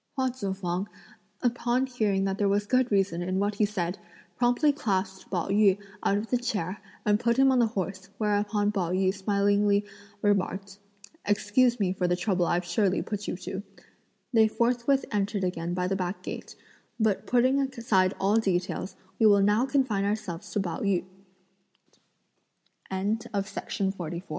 Hua Tzu fang, upon hearing that there was good reason in what he said, promptly clasped Pao yü out of the chair and put him on the horse, whereupon after Pao yü smilingly remarked: "Excuse me for the trouble I've surely put you to," they forthwith entered again by the back gate; but putting aside all details, we will now confine ourselves to Pao yü. After he had walked out of